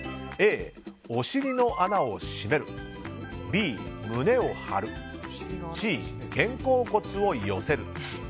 Ａ、お尻の穴を締めるＢ、胸を張るＣ、肩甲骨を寄せる。